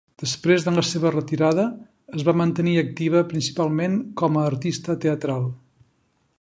Després de la seva retirada, es va mantenir activa principalment com a artista teatral.